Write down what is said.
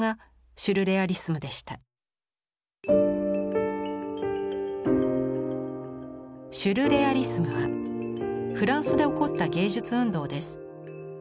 シュルレアリスムはフランスで起こった芸術運動です。